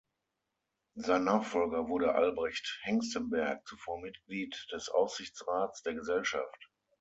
Sein Nachfolger wurde Albrecht Hengstenberg, zuvor Mitglied des Aufsichtsrats der Gesellschaft.